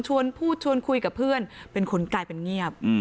พูดชวนคุยกับเพื่อนเป็นคนกลายเป็นเงียบ